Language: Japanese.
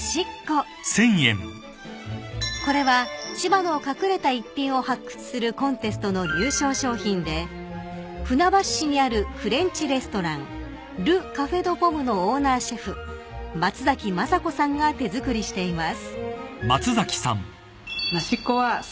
［これは千葉の隠れた逸品を発掘するコンテストの入賞商品で船橋市にあるフレンチレストランル・カフェ・ドゥ・ポムのオーナーシェフ松雅子さんが手作りしています］